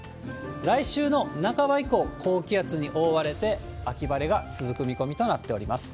来週の半ば以降、高気圧に覆われて、秋晴れが続く見込みとなっております。